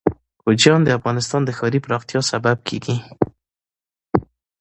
کوچیان د افغانستان د ښاري پراختیا سبب کېږي.